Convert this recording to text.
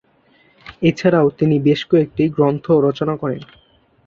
এছাড়াও তিনি বেশ কয়েকটি গ্রন্থ রচনা করেন।